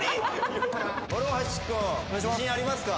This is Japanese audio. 室橋君自信ありますか？